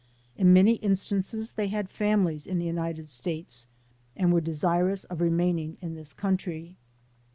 In many instances they had families in the United States and were desirous of remaining in this country.